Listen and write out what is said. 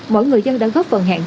mỗi người dân đã góp phần hạn chế